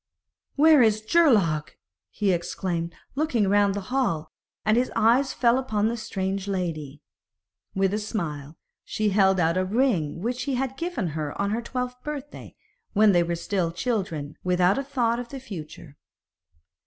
'Where is Geirlaug?' he exclaimed, looking round the hall; and his eyes fell upon the strange lady. With a smile she held out a ring which he had given her on her twelfth birthday, when they were still children, without a thought of the future.